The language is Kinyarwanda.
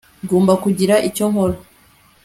ngomba kugira icyo nkora